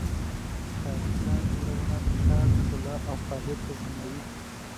ښاري پلان جوړونه د ښار ښکلا او فعالیت تضمینوي.